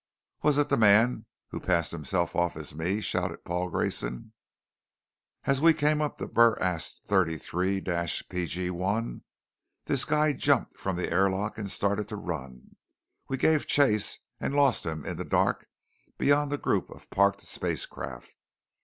"Was it the man who passed himself off as me?" shouted Paul Grayson. "As we came up to BurAst 33 P.G.1, this guy jumped from the airlock and started to run. We gave chase and lost him in the dark beyond a group of parked spacecraft.